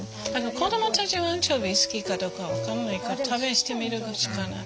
子どもたちはアンチョビ好きかどうか分かんないから試してみるしかない。